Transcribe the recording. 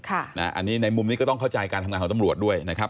อันนี้ในมุมนี้ก็ต้องเข้าใจการทำงานของตำรวจด้วยนะครับ